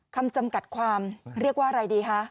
คำจำกัดความเรียกว่าอะไรดีคะ